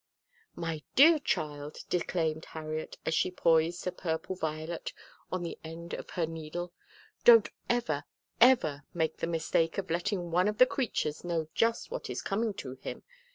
"My dear child," declaimed Harriet, as she poised a purple violet on the end of her needle, "don't ever, ever make the mistake of letting one of the creatures know just what is coming to him.